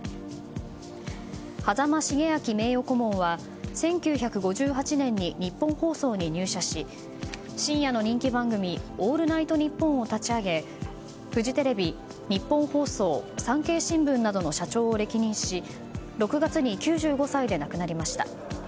羽佐間重彰名誉顧問は１９５８年にニッポン放送に入社し深夜の人気番組「オールナイトニッポン」を立ち上げフジテレビ、ニッポン放送産経新聞などの社長を歴任し６月に９５歳で亡くなりました。